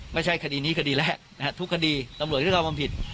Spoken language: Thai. ไม่ใช่คดีนี้คดีแรกนะฮะทุกคดีตำรวจที่ทำความผิด